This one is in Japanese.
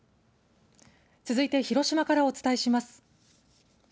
続いて、広島からお伝えします。